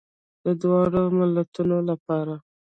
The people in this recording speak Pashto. د دواړو ملتونو لپاره.